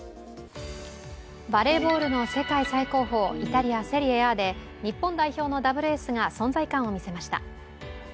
バレーボールの世界最高峰、イタリア・セリエＡで日本代表のダブルエースが存在感を見せました。